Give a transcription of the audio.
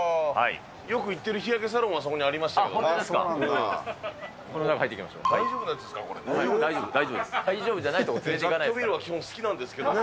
よく行ってる日焼けサロンはそこにありますけどね。